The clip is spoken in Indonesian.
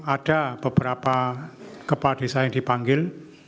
ada beberapa kepala desa yang dipanggil